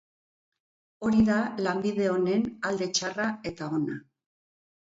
Hori da lanbide onen alde txarra eta ona.